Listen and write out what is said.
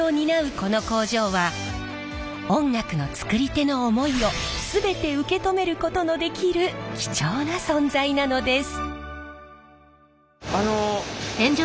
この工場は音楽のつくり手の思いを全て受け止めることのできる貴重な存在なのです。